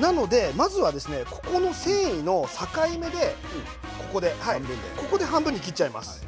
なのでまずはここの繊維の境目でここで半分に切っちゃいます。